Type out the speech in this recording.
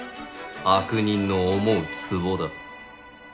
悪人の思うつぼだ。